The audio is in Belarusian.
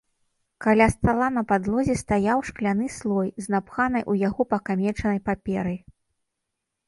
Каля стала на падлозе стаяў шкляны слой з напханай у яго пакамечанай паперай.